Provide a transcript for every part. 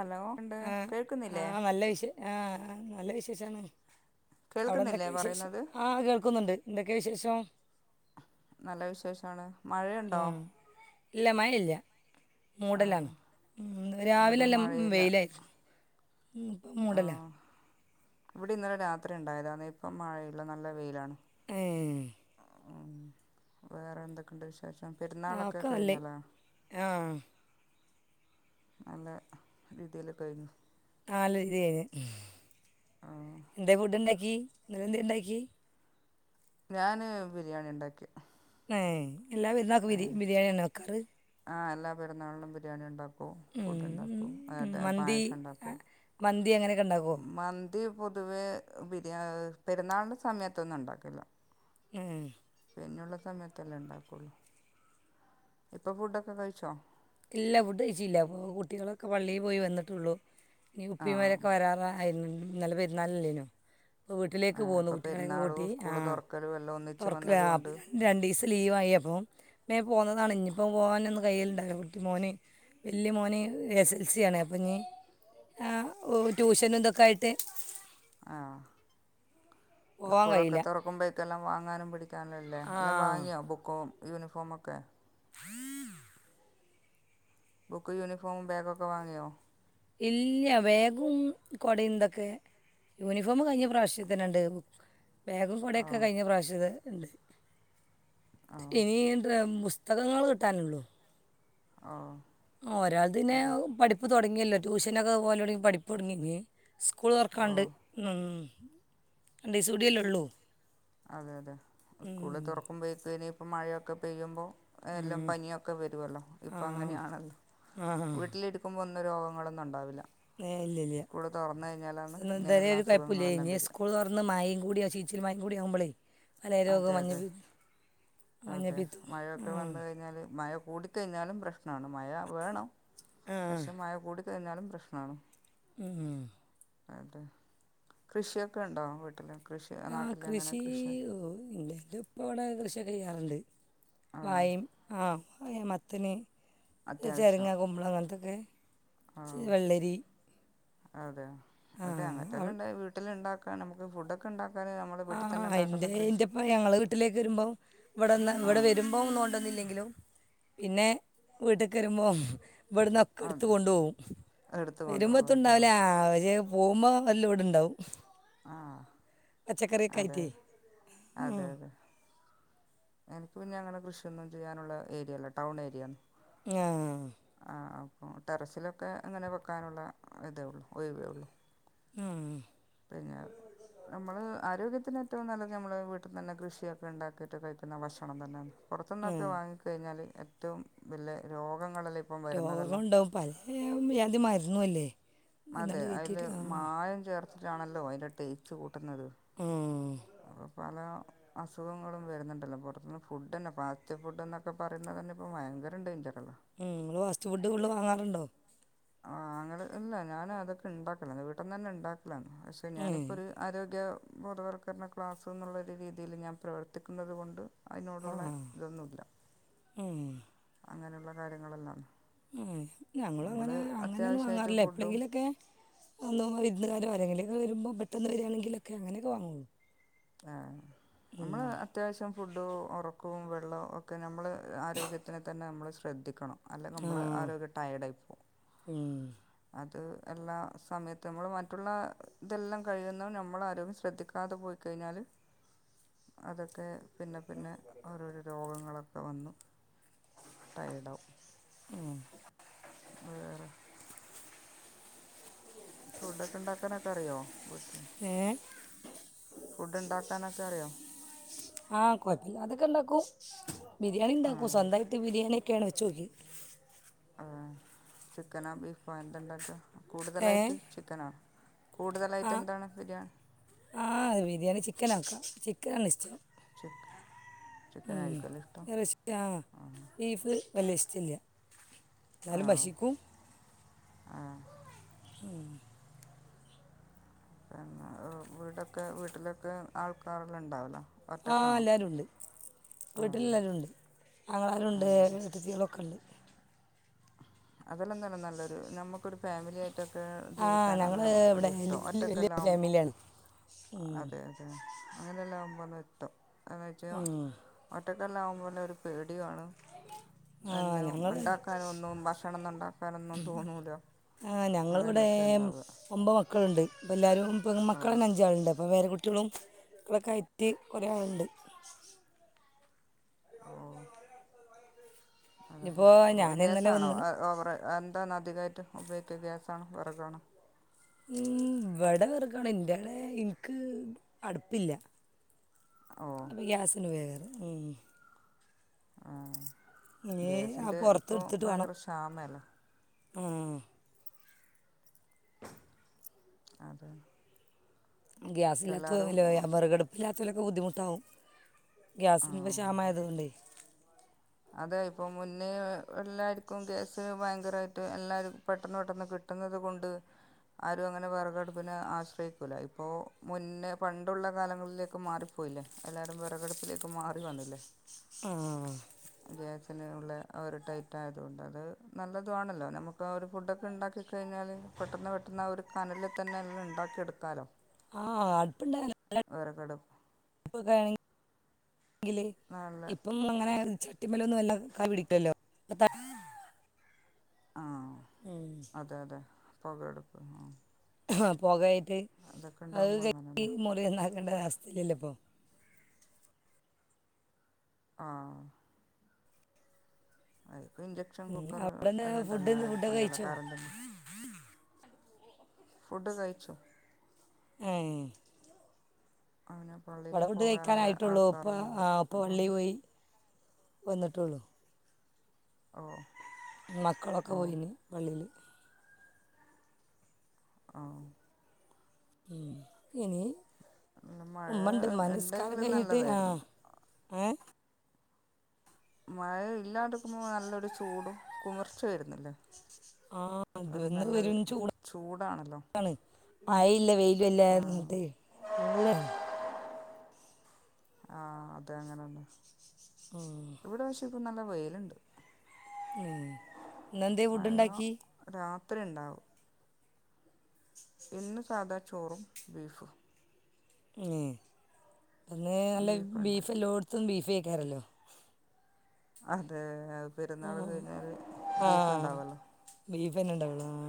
ണ്ട് ആ കേൾക്കുന്നില്ലേ? ആ നല്ല വിശ ആ നല്ല വിശേഷാണ്. അവിടെ കേൾക്കുന്നില്ലേ എന്തൊക്കെ വിശേഷം, പറയുന്നത് ആ കേൾക്കുന്നുണ്ട്, എന്തൊക്കെയ വിശേഷം. നല്ല വിശേഷവാണ്. ആ മഴയുണ്ടോ? ഇല്ല മഴ ഇല്ല. ആ മൂടലാണ്, മ് രാവിലെ ഇവിടെയും എല്ലാം മഴയില്ല വെയിലായിരുന്നു. മ് ഇപ്പം ആ മൂടലാ. ഇവിടെ ഇന്നലെ രാത്രി ഇണ്ടായതാണ്, ഇപ്പം മഴ ഇല്ല, നല്ല വെയിലാണ്. ഏ മ് വേറെ എന്തൊക്കെണ്ട് വിശേ ശേഷം ആ പെരുന്നാളൊക്കെ ഒക്കെ നല്ല കഴിഞ്ഞല്ലേ. ആ നല്ല രീതിയില് കഴിഞ്ഞു. നല്ല രീതി കഴിഞ്ഞ്. ന്തേ ഫുഡ്‌ ഇണ്ടാക്കി. നിങ്ങൾ എന്ത്ണ്ടാക്കി. ഞാന് ബിരിയാണി ഇണ്ടാക്കിയെ. ങേ എല്ലാം പെരുന്നാക്കും ബിരി ബിരിയാണിന്നെ വെക്കാറ്. ആ എല്ലാ പെരുന്നാളിനും ബിരിയാണി ഉണ്ടാക് ഓ ഉം, ഫുഡ് ഉം, ഉണ്ടാക്കും, ഉം, [unintelligible] മന്തി പായസം ആ, ഉണ്ടക്കും, മന്തി അങ്ങനെയൊക്കെ ഉണ്ടാക്കുമോ മന് ന്തി പൊതുവേ ബിരിയാ പെരുന്നാളിന്റെ സമയത്തൊന്നും ഉണ്ടാക്കില്ല. മ് ഇങ്ങള്ള സമയത്തല്ലേ ഇണ്ടാക്കുള്ളൂ, ഇപ്പൊ ഫുഡൊക്കെ കഴിച്ചോ? ഇല്ല ഫുഡ് കഴിച്ചില്ല, വ് കുട്ടികളൊക്കെ പള്ളിൽ പോയി വന്നിട്ടുള്ളു. ഈ ആ ഉപ്പിമാരൊക്കെ വരാറായി നല്ല പെരുന്നാളല്ലേനോ? പ്പ ആ വീട്ടിലേക്ക് പോകുന്നു ഇപ്പോൾ കുട്ടികളെയൊക്കെ പെരുന്നാളും കൂട്ടി, സ്കൂൾ തുറക്കലും എല്ലാം പ്പ ഒന്നിച്ച് അവർക്ക് ആ വന്നതുകൊണ്ട് രണ്ടിവസം ലീവായി അപ്പം മേം പോന്നതാണ്. ഇഞ് ഇപ്പം പോകാനൊന്നും കയ്യലുണ്ടാവൂല്ല. മോന് വല്യ മോന് എസ് എൽ സിയാണ്. അപ്പഞ് ആ ട്യൂഷനും ഇതൊക്കെ ആയിട്ട് ആ പോകാൻ കഴിയില്ല സ്കൂളൊക്കെ തുറക്കുമ്പോഴേക്കെല്ലാം വാങ്ങാനും പിടിക്കാനും ഇല്ലേ? ആ എല്ലാം വാങ്ങിയോ ബുക്കും യൂണിഫോമൊക്കെ. ബുക്ക് യൂണിഫോമും ബേഗൊക്കെ വാങ്ങിയോ ഇല്ല്യ ബാഗും കൊടേം തൊക്കെ യൂണിഫോമ് കഴിഞ്ഞ പ്രാവശ്യത്തന്നണ്ട് ബാഗും ആ കൊടെക്കെകഴിഞ്ഞ പ്രാവശ്യതെ ഇണ്ട് ആ ഇനിയെണ്ട്രാമുസ് തകങ്ങൾ കിട്ടാനുള്ളൂ ആ ആ ഒരാൾ ത് ന്നേ പഠിപ്പ്ർ തൊടങ്ങിയല്ലോ ട്യൂഷനൊക്കെ പോലൊടങ്ങി പഠിപ്പൊടങ്ങിങേ ഓ സ്കൂളൊർക്കാണ്ട് നം രണ്ടീസൂടിഅല്ലേ ഉള്ളൂ അതെതെ സ്കൂള് ഉം, തൊറക്കുമ്പേത്തിന് പ്പം മഴയൊക്കെ പെയ്യുമ്പോ എല്ലാം ഉം, പനിയൊക്കെ വരുവല്ലോ ആ ഇപ്പൊ അങ്ങനെയാണല്ലോ ആ വീട്ടിലിരിക്കുമ്പോ ഒന്നും രോഗങ്ങളൊന്നൊണ്ടാവില്ല ന്നേ ഇല്ല്യല്ല്യ ഇന്ന് തരേ ഇങ്ങനെയുള്ള ഒരു അസുഖങ്ങളെല്ലാം കൊയപ്പല്ല്യാനി വരിക സ്കൂള് തൊറന്ന് മയയും കൂടിയശി ച്ചിരി മയേം കൂടി ആകുമ്പളെ അതെ അതെ അതെ മഞ്ഞപ്പിത്തം ആ മഴയൊക്കെ വന്ന് കഴിഞ്ഞാല് മഴ ഓടിത്ത് കഴിഞ്ഞാലും പ്രശ് [unintelligible] മഴ വേണം ആ പക്ഷെ മഴ കൂടി [unintelligible] പ്രശ്നാണ് ഉം ഉം [inaudible] കൃഷിയൊക്കെണ്ടോ വീട്ടിൽ കൃഷി ആ നാട്ടിൽ അങ്ങനെ കൃഷി [unintelligible] ഇത് ഇപ്പോ ഇടെ കൃഷിയൊക്കെ ചെയ്യാറുണ്ട് ആ വായേം ആഹ് [unintelligible] മത്തന് അത്യാവശ്യം ചെരങ്ങ കുമ്പളം അങ്ങനത്തൊക്കെ ആ വെള്ളരി അതെ ആ അതേ അവ അങ്ങത്തെല്ലാം ഇണ്ടായ വീട്ടിൽ ഇണ്ടാക്ക ക നമ്ക്ക് ഫുഡൊക്കെണ്ടാക്കാം ആഹ എന്റെ എന്റെപ്പ ഞങ്ങള് വീട്ടിലേക്ക് വരുമ്പോം ഇവിടെന്ന് ആ ഇവിടെ വരുമ്പോ ഒന്നുംകൊണ്ടന്നില്ലെങ്കിലും പിന്നെ വീട്ട്ക്ക് വരുമ്പോം ഇവിടുന്നൊക്കെ ഇട്ത്ത് അതെ കൊണ്ടു പോവും എടുത്ത് കൊണ്ടുപോകും അതെ വരുമ്പോഴത്തുംണ്ടാവൂല ഓക്കെ അവര് പോവുമ്പോ വല്ല ഇവിടെ ഉണ്ടാവും ആഹ പച്ചക്കറിയൊക്കായിറ്റെ അതെ എനിക്ക് പിന്നെ അങ്ങനെ കൃഷിയൊന്നും ചെയ്യാനുള്ള ഏരിയല്ല ടൗൺ ഏരിയാണ് ആഹ് ആഹ് ടെറസിലൊക്കെ അങ്ങനെ വെക്കാനുള്ള ഇതേ ഉള്ളൂ ഒയിവേ ഉള്ളൂ ആ പിന്നെ നമ്മള് ആരോഗ്യ ത്തിന് ഏറ്റവും നല്ലത് നമ്മള് വീട്ടിനെന്നെ കൃഷിയൊക്കെണ്ടാക്കിട്ട് കഴി ക്കുന്ന ഭക്ഷണം തന്നെണ്. പുറത്തുന്നൊക്കെ ആ വാങ്ങിക്കഴിഞ്ഞാല് ഏറ്റവും വല്ല്യേ രോ രോഗങ്ങള്ണ്ടാവും പലേവ്യാതിമര് ന്നുല്ലേ. അതെ ഐല് മായം ചേർത്ത് ട്ടാണല്ലോ അതില് ടേസ്റ്റ്‌ കൂട്ടുന്നത്. മ് അപ്പൊ പല അസുഖങ്ങളും വരുന്നുണ്ടല്ലോ. പുറത്തനിന്ന് ഫുഡെന്നെ ഫാസ്റ്റ് ഫുഡ്ന്നൊക്കെ പറയുന്നതെന്നെ ഇപ്പ ഭയങ്കര ഡെയ്ൻജെറാ. മ് ങ്ങള് ഫാസ്റ്റ് ഫുഡ് ഫുള്ള് വാങ്ങാറ്ണ്ടോ? ആ ങ്ങള് ഇല്ല ഞാനതൊക്കെ ഇണ്ടാക്കലാ വീട്ടന്നന്നെ ഇണ്ടാക്ക ലാണ് പക്ഷേ ഉം. ഞാനിപ്പോര് ആരോഗ്യ ബോധവൽക്കരണ ക്ലാസ്ന്നുള്ളൊരു രീതീല് ഞാൻ പ്രവർത്തിക്കുന്നുന്നത് കൊണ്ട് ആ അതിനോട്ള്ള ഇതൊന്നൂല്ല. ഉം. അങ്ങനെള്ള കാര്യങ്ങളെല്ലാണ് ഏ ഞങ്ങളുങ്ങനെ അങ്ങനൊന്നും അത്യാവശ്യമായിട്ട് വാങ്ങാറില്ല. ഫുഡും എപ്പളെങ്കിലൊക്കെ തോനുമ്പോ വിർ കാരോ ആരെങ്കിലൊക്കെ വരുമ്പോ പെട്ടെന്ന് വരാണെങ്കിലൊക്കെങ്ങനൊക്കെ വാങ്ങുള്ളൂ. ആഹ് ഉം. നമ്മള് അത്യാവശ്യം ഫുഡോ ഉറക്കവും വെള്ളോം ഒക്കെ നമ്മള് ആരോഗ്യത്തിന് തന്നെ നമ്മള് ശ്ര ശ്രദ്ധിക്കണം. ആ അല്ലെങ്കിമ്മളെ ആരോഗ്യം ടയേടായിപ്പോകും. ഉം. അത് എല്ലാ സമയത്തും നമ്മള് മറ്റുള്ള ഇതെല്ലം കഴിയുന്നതും നമ്മളെ ആരോഗ്യം ശ്രദ്ധിക്കാതെ പോയി കഴിഞ്ഞാല് അതൊക്കെ പിന്നെ പിന്നെ ഓരോരോ രോഗങ്ങളൊക്കെ വന്ന് ടയേടാകും മ് വേറെ ഫുഡൊക്കെ ണ്ടാക്കാനൊക്കെ അറിയോ ഉണ്ടാക്കാനൊക്കെ അറിയുമോ ആഹ് കൊഴപ്പല്ലാതൊക്കെണ്ടാ ക്കും ബിരിയാണി ആ ഇണ്ടാക്കും സ്വന്തായിട്ട് ബിരിയാണി കേണച്ചോകി ആഹ് ചിക്കനാ ബീഫോ എന്ത്ണ്ടാക്കുക ഏ കൂടുതലായിട്ട് ചിക്കനാ ആ കൂടുതലായിട്ട് എന്താണ് ബിരിയാ ആ ബിരിയാണി ചിക്കൻ ആക്കാം ചിക്കനാണ് ഇഷ്ട്ടം ഉം ചിക്കനായിരിക്കും അല്ലേ ഇഷ്ടം ഇറശി ആഹ് ബീഫ് വല്യാഇഷ്ട്ടില്ലാ എന്നാലും ഭഷിക്കും ആഹ് ഉം പിന്നെ വീടൊക്കെ വീട്ടിലൊക്കെ ആൾക്കാരെല്ലാം ഉണ്ടാവുലേ ആ എല്ലാവരും ഉണ്ട് ആ വീട്ടിലെല്ലാരും ഉണ്ട് ആങ്ങളമാരുണ്ട് ആ ഏട്ടത്തികളൊക്കെണ്ട് അതെല്ലാം തന്നെ നല്ലൊര് നമുക്കൊരു ഫാമിലിയാ ട്ടൊക്കെ ആ ജീവിക്കാനാണ് ഞങ്ങൾ നമുക്ക് ഒരു ഇവിടെ ഇഷ്ടം വലിയ വലിയ ഒറ്റക്കെല്ലാവകുമ്പോ ഫാമിലിയാണ് ഉം. അതെ അതെ അങ്ങനെല്ലാം വനട്ടോ അങ്ങച്ച ഒ ഉം. ഒറ്റക്കെല്ലാം അകുമ്പോലെ ഒരു പേടിയാണ് ആ എന്നെ ഞങ്ങൾ ഉണ്ടാക്കാനും ഒന്നും ഭക്ഷ് ഭക്ഷണംന്നുണ്ടാക്കാനൊന്നും തോന്നൂല ആ ഞങ്ങളിവിടെ അങ്ങനെയൊക്കെ ഇണ്ടാവ ഒമ്പത് മക്കളുണ്ട് അപ്പോ എല്ലാരും പെൺമക്കളന്നെ അഞ്ചാള്ണ്ട് അപ്പോ പേര കുട്ടി ട്ട്യളും മക്കളൊക്കെ ആയിട്ട് കൊറേ ആളുണ്ട് ഓ അതന്നെ ഇപ്പോൾ ഇവി ഞാൻ ഇന്നലെ ഗ്യാസാണോ വന്ന് അ ഓവറേ എന്താണ ധികയിറ്റ് ഉപയോഗിക്കുക ഗ്യാസാണോ വേറകാണോ ഉം ഇവിടെ വെറകാണ് ഇന്റാടെ ഇൻക്ക് അടുപ്പില്ല ഓ അപ്പ ഗ്യാസന് വേഗ ഏ ആ ആ ഗ്യാസിന്റെ ഇപ്പൊ ഭയങ്കര ക്ഷാമെലേ ഉം അതെ എല്ലാവരും ഗ്യസില്ലാത്തൊന്നുല്ല വെ വിറകടുപ്പില്ലാത്ത ത്തിലൊക്കെ ബുദ്ധിമുട്ടാവും ഗ്യാസിന് ഇപ്പ ആ ക്ഷാമായതുകൊണ്ടേ അതെ ഇപ്പൊ മുന്നേ എല്ലാർക്കും ഗ്യസ് ഭയങ്കരമായിട്ട് എല്ലാരും പെട്ടന്ന് പെട്ടെന്ന് കിട്ടുന്നത് കൊണ്ട് ആരും അങ്ങനെ വിറകടുപ്പിനെ ആശ്രയിക്കൂല ഇപ്പൊ മുന്നേ പണ്ടുള്ള കാലങ്ങളിലേക്ക് മാറിപ്പോയില്ലേ എല്ലാരും വിറകടുപ്പിലേക്ക് മാറി വന്നില്ലേ ഉം ഗ്യാസിനുള്ള ഒരു ടൈറ്റായതുകൊണ്ട് അത് നല്ലതു ആണല്ലോ നമുക്ക് ആ ഒരു ഫുഡൊക്കെ ഉണ്ടാക്കി കഴിഞ്ഞാൽ പെട്ടെന്ന് പെട്ടെന്ന് ആ ഒരു കനലിൽ തന്നെ എല്ലാം ഉണ്ടാക്കിയെടുക്കാമല്ലോ ആ അട്പ്പ്ണ്ടായ വിറകടുപ്പ് ല്ല ഖാണ് ങ്കില് നല്ല ഇപ്പം അങ്ങനെ ചട്ടിമേലൊന്നും വെല്ലാ ക പിടിക്കല്ലോ ത ആ ഉം. അതെ അതെ പുക അടുപ്പ് ആ ഹാ പോകായി ത് അതൊക്കെ അത് ഉണ്ടാകുമ്പോൾ കെ അങ്ങനെയല്ലേ മുറി ഒന്നായിറ്റ് ങ്ങണ്ട രഅവസ്ഥല്ലല്ലോ ഇപ്പോ ആ അ ഇപ്പ ഇൻഞ്ചക്ഷൻ കുക്കറ് അവിടെ നിന്ന് അതെണ്ടല്ലോ ഫുഡ് ആ ഫുഡൊക്കെ അട്പ്പ്ണ്ടല്ലോ കഴിച്ചോ കറൻ്റിന്റെ ഫുഡ് കഴിച്ചു ഏ അങ്ങനെ പള്ളിയില് അവിടെ ഫുഡ് പോകാനുള്ള കഴിക്കാനായിട്ടുള്ളൂ ഇപ്പം ആൾക്കാരൊന്നുല്ല അതുകൊണ്ട് വന്ന്ട്ടൊള്ളു ഓ മക്കളൊക്കെ ഓ പോയിനി പള്ളീല് ആ ഇ ഇനി മഴ ഉമ്മൻണ്ട് മ്മാന്റെ നിസ്കാരൊക്കെ ഉണ്ടെങ്കിലും കഴിഞ്ഞിട്ട് ആ നല്ലതായിരുന്നു ഏ മഴേ ല്ലാണ്ട്ക്കുമ്പോ നല്ലൊരു ചൂടും കുമിർച്ച വരുന്നില്ലേ ആ അത് ഒരു വന്ന് നല്ലൊരു വരും ചൂടാ ചൂടാണല്ലോ ണ് ആയില്ല ആ വെയിലല്ലാതിര്ന്നിട്ടേ ആ അതെ അങ്ങനെയന്ന ആഹ് ഇപ്പം നല്ല വെയിലുണ്ട്. ഉം ഇന്ന് എന്തേ ഫുഡ് ഉണ്ടാക്കി? രത്രി ഇണ്ടാവും. ചോറും ബീഫും. ഏഹ് ഇന്ന് നല്ല ബീഫ് എല്ലാടുത്തും ബീഫെ [unintelligible] അതെ ആ പെരുന്നാൾ കഴിഞ്ഞാൽ ആ ബീഫ് ഉണ്ടാവുമല്ലോ ബീഫ്ന്നെ ഉണ്ടാവുള്ളു ആ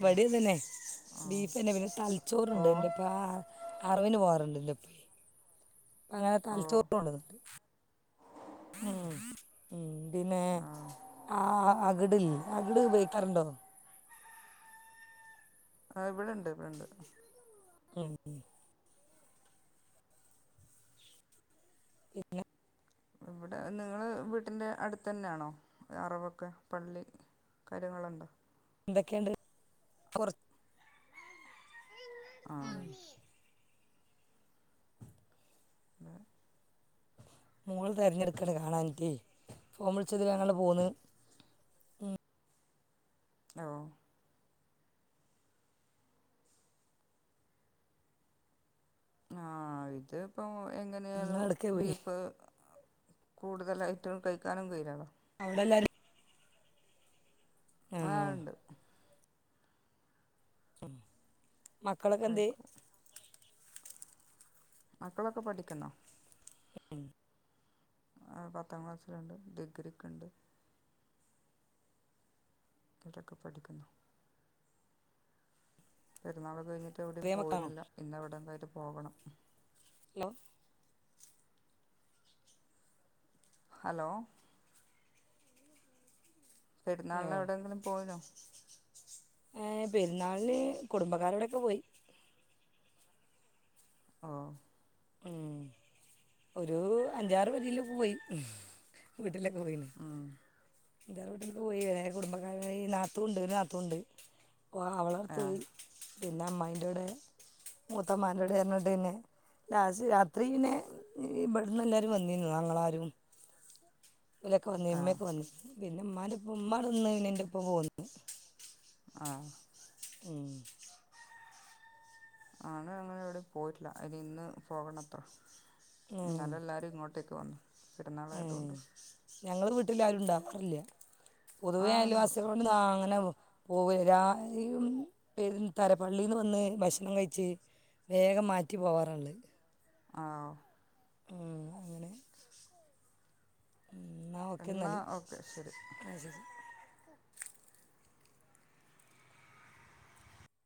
ഇവടിത് തന്നെ ആ ബീഫ് തന്നെ പിന്നെ ഓ തലച്ചോറിണ്ട് [unintelligible] അറവിന് പോവാറ്ണ്ട് എന്റെ [unintelligible] അങ്ങനെ ഓ തലച്ചോർ കൊണ്ടന്നിക്കിന് ഉം ഉം പിന്നെ ആ അകടി അകിട് ഉപയോഗിക്കാറുണ്ടോ? ആ ഇവിടെണ്ട് ഇവിടെണ്ട്. ഉം പിന്നെ ഇവിടെ നിങ്ങള് വീട്ടിന്റെ അടുത്ത തന്നെയാണോ അറവൊക്കെ പള്ളി കാര്യങ്ങളൊണ്ടോ? എന്തൊക്കെയിണ്ട് പൊറ ആ [inaudible] മോള് തിരഞ്ഞെടുക്കയാണ് കാണാനിട്ടേ ഫോം വിളിച്ചത് [unintelligible] ഓഹ് ആ ഇത് ഇപ്പം എങ്ങനെയാലും നിങ്ങളെടുക്കേ പോയി ബീഫ് കൂടുതലായിട്ടും കഴിക്കാനും കഴിയൂലാലോ അവിടെല്ലാരും ആ ഇണ്ട് ഉം മക്കളൊക്കെന്തേ? കഴിക്കും മക്കളൊക്കെ പഠിക്കുന്നാ. [unintelligible] പത്താം ക്ലാസ്സിലുണ്ട് ഡിഗ്രിക്ക്ണ്ട് [unintelligible] പഠിക്കുന്നു പെരുന്നാളൊക്കെ കയി ട്ട് എവിടേം ചെറിയ മക്കളാണോ പോകലില്ല ഇന്ന് അവിടം വരെ പോകണം ഹലോ ഹലോ പെരുന്നാളിന് എവിടെങ്കിലും പോയിനോ പെരുന്നാളില് കുടുംബക്കാരോടൊക്കെ പോയി ആ മ് ഒരു അഞ്ചാറ് [unintelligible] പോയി [unintelligible] ഉം [unintelligible] കുടുംബക്കാര നാത്തുണ്ട് ഒരു നാത്തൂൻണ്ട് ആ [unintelligible] പിന്നെ അമ്മായിൻ്റെൂടെ മൂത്തമാടെ [unintelligible] ല രാത്രിയിനെ ഇവിടുന്ന് എല്ലാരും വന്നിന്ന ആങ്ങളമാരും [unintelligible] ആ ഇമ്മയക്ക് വന്ന് പിന്നെ ഉമ്മാന്റെപ്പോ ഉമ്മ നിന്നുകഴിഞ് എൻ്റെ പ്പോ പോന്ന് ആ ഹ്മ്മ് ആണ് അങ്ങനെ എവിടെ പോയിട്ടില്ല ഇനി ഇന്ന് പോകണത്ര ഇന്നലെല്ലാരും ഇങ്ങോട്ട് [unintelligible] പെരുന്നാളായതുകൊണ്ട് ഞങ്ങള് വീട്ടിൽ ആരുണ്ടാവാറില്ല ആ പൊതുവെ ഉണ്ട് അയൽവാസികളോട് അങ്ങനെ പോവരും ര തര പള്ളിന്ന് വന്ന് ഭക്ഷണം കഴിച്ച് വേഗം മാറ്റി പോവാറുണ്ട് ആ അങ്ങനെ എന്ന ഓക്കെ എന്നാൽ ഓക്കെ ശരി ആ ശരി